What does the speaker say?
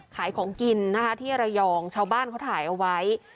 ขายของกินนะคะที่ระยองชาวบ้านเขาถ่ายเอาไว้